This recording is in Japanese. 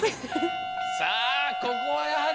さあここはやはり。